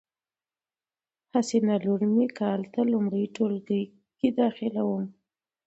حسینه لور می کال ته لمړی ټولګي کی داخلیدوم